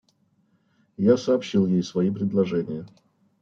Я сообщил ей свои предположения.